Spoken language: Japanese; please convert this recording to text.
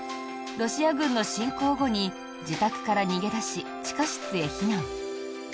ロシア軍の侵攻後に自宅から逃げ出し地下室へ避難。